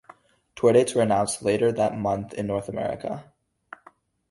Tour dates were announced later that month in North America.